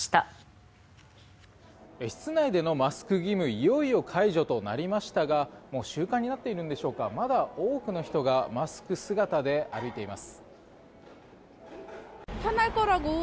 いよいよ解除となりましたがもう習慣になっているんでしょうかまだ多くの人がマスク姿で歩いています。